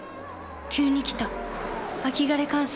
急に来た秋枯れ乾燥。